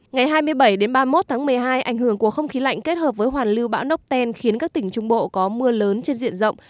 ngày hai mươi bảy ba mươi một tháng một mươi hai ảnh hưởng của không khí lạnh kết hợp với hoàn lưu bão nóc ten khiến các tỉnh trung bộ có mưa lớn trên diện rộng